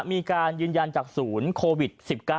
มีการยืนยันจากศูนย์โควิด๑๙